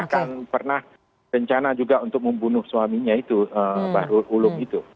bahkan pernah rencana juga untuk membunuh suaminya itu bahrul ulum itu